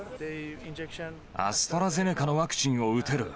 アストラゼネカのワクチンを打てる。